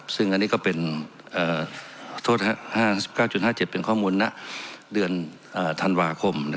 ซึ่งอันนี้ก็เป็นโทษ๙๕๗เป็นข้อมูลณเดือนธันวาคม